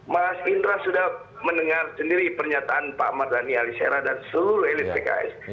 mas indra sudah mendengar sendiri pernyataan pak mardhani alisera dan seluruh elit pks